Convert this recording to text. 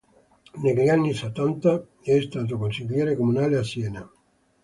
Negli anni Settanta è stato consigliere comunale a Siena.